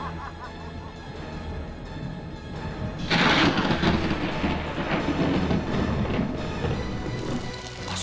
assalamualaikum warahmatullahi wabarakatuh